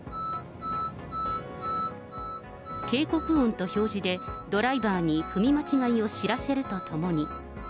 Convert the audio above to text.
警告音と表示でドライバーに踏み間違いを知らせるとともに。